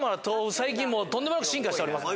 最近とんでもなく進化してます。